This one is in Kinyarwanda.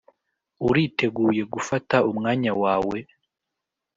uriteguye gufata umwanya wawe?